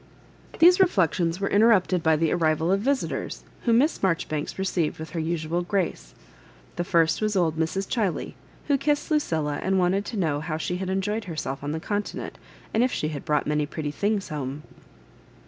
These reflections were inter rupted by the arrival of visitors, whom Miss Marjoribanks received with her ususd grace. The first was old TiSie, Chiley, who kiss^ Lu cilla^ and wanted to know how she had enjoyed herself on the Contment, and if she had brought many pretty things home.